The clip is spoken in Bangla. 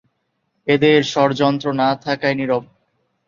এদের স্বরযন্ত্র না থাকায় নীরব।